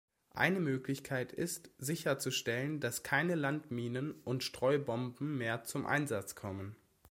Eine Möglichkeit ist sicherzustellen, dass keine Landminen und Streubomben mehr zum Einsatz kommen.